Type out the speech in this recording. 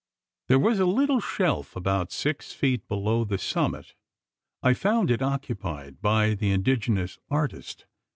There was a little shelf about six feet below the summit. I found it occupied by the indigenous artist.